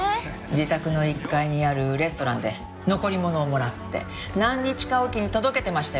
自宅の１階にあるレストランで残り物をもらって何日かおきに届けてましたよね。